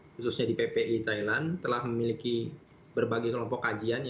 khususnya di ppi thailand telah memiliki berbagai kelompok kajian